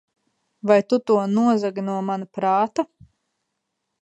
Vai tu to nozagi no mana prāta?